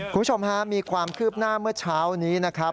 คุณผู้ชมฮะมีความคืบหน้าเมื่อเช้านี้นะครับ